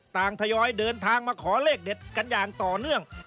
ทยอยเดินทางมาขอเลขเด็ดกันอย่างต่อเนื่อง